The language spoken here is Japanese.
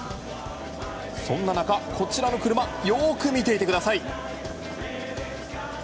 そんな中、こちらの車よく見ていてください。